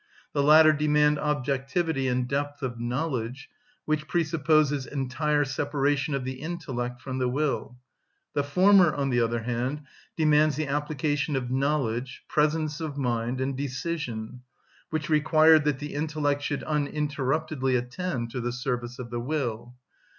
The latter demand objectivity and depth of knowledge, which presupposes entire separation of the intellect from the will; the former, on the other hand, demands the application of knowledge, presence of mind, and decision, which required that the intellect should uninterruptedly attend to the service of the will.